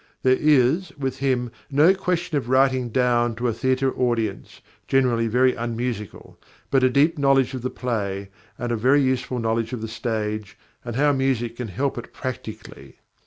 There is, with him, no question of writing down to a theatre audience (generally very unmusical), but a deep knowledge of the play and a very useful knowledge of the stage and how music can help it practically.